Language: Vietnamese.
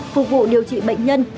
phục vụ điều trị bệnh nhân